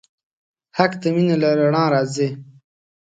حق د مینې له رڼا راځي.